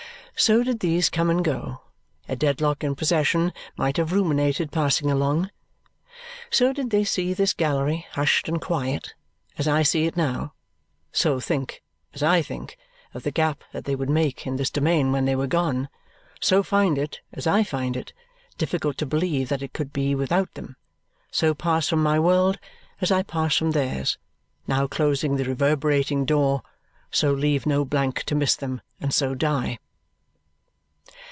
So did these come and go, a Dedlock in possession might have ruminated passing along; so did they see this gallery hushed and quiet, as I see it now; so think, as I think, of the gap that they would make in this domain when they were gone; so find it, as I find it, difficult to believe that it could be without them; so pass from my world, as I pass from theirs, now closing the reverberating door; so leave no blank to miss them, and so die.